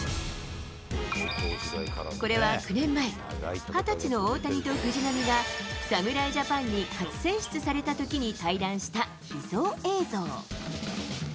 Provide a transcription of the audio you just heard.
これは９年前、２０歳の大谷と藤浪が、侍ジャパンに初選出されたときに対談した秘蔵映像。